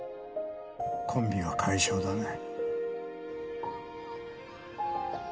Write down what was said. コンビは解消だね？